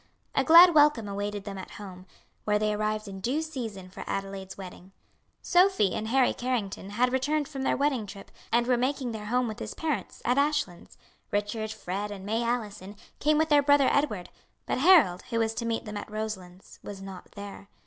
A glad welcome awaited them at home, where they arrived in due season for Adelaide's wedding. Sophie and Harry Carrington had returned from their wedding trip, and were making their home with his parents, at Ashlands; Richard, Fred, and May Allison, came with their brother Edward; but Harold, who was to meet them at Roselands, was not there.